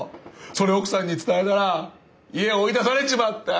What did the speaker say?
それ奥さんに伝えたら家追い出されちまった。